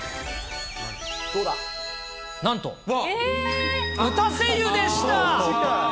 なんと、打たせ湯でした。